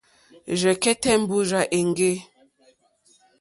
Rzɛ̀kɛ́tɛ́ mbúrzà èŋɡê.